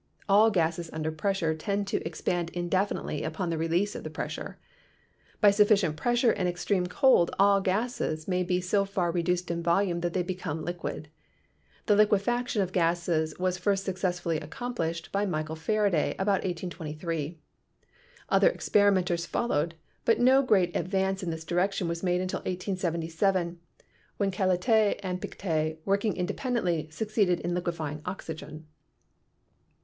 All gases under pressure tend to ex pand indefinitely upon the release of the pressure. By sufficient pressure and extreme cold all gases may be so far reduced in volume that they become liquid. The lique faction of gases was first successfully accomplished by Michael Faraday about 1823. Other experimenters fol lowed, but no great advance in this direction was made until 1877, when Cailletet and Pictet, working indepen dently, succeeded in liquefying oxygen.